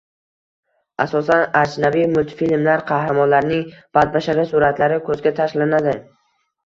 asosan ajnabiy multfilmlar qahramonlarining badbashara suratlari ko‘zga tashlanadi.